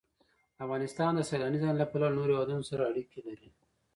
افغانستان د سیلانی ځایونه له پلوه له نورو هېوادونو سره اړیکې لري.